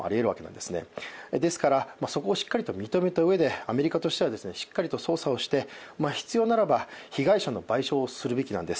ですので、そこをしっかりと見極めたうえでしっかりと操作をして、必要ならば被害者の賠償をするわけなんです。